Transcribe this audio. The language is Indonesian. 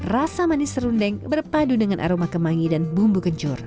rasa manis rundeng berpadu dengan aroma kemangi dan bumbu kencur